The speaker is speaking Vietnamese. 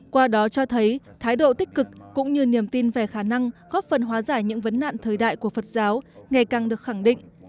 qua đó cho thấy thái độ tích cực cũng như niềm tin về khả năng góp phần hóa giải những vấn nạn thời đại của phật giáo ngày càng được khẳng định